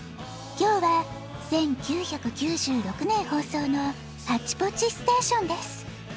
きょうは１９９６ねんほうそうの「ハッチポッチステーション」です。